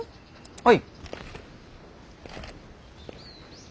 はい。